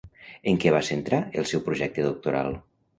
En què va centrar el seu projecte doctoral?